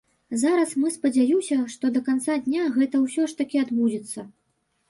Зараз мы спадзяюся, што да канца дня гэта ўсё ж такі адбудзецца.